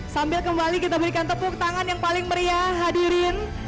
sambil kembali kita berikan tepuk tangan yang paling meriah hadirin